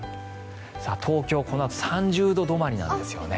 東京、このあと３０度止まりなんですよね。